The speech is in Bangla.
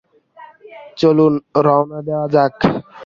চলুন, রওনা দেওয়া যাক।